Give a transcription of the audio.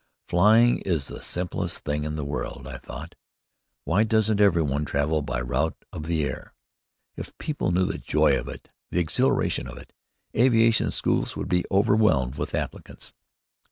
Flying is the simplest thing in the world, I thought. Why doesn't every one travel by route of the air? If people knew the joy of it, the exhilaration of it, aviation schools would be overwhelmed with applicants.